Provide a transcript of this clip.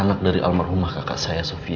anak dari almarhumah kakak saya sufi